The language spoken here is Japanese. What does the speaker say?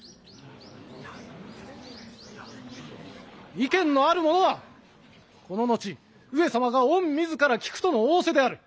意見のあるものはこの後上様が御自ら聞くとの仰せである。